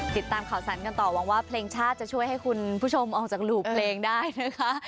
ติดตามข่าวสารกันต่อหวังว่าเพลงชาติจะช่วยให้คุณผู้ชมออกจากหลู่เพลงได้นะคะ